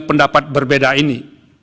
pendapat berbeda ini